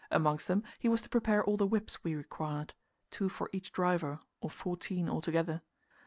Amongst them, he was to prepare all the whips we required two for each driver, or fourteen altogether.